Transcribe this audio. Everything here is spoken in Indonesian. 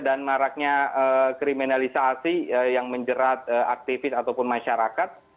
maraknya kriminalisasi yang menjerat aktivis ataupun masyarakat